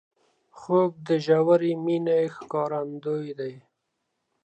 خوب د ژورې مینې ښکارندوی دی